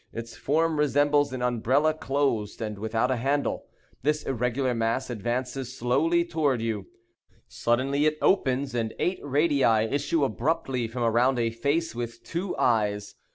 Its form resembles an umbrella closed, and without a handle. This irregular mass advances slowly toward you. Suddenly it opens, and eight radii issue abruptly from around a face with two eyes.